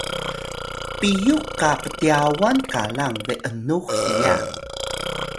piyux qa ptyawan qalang be’nux hiya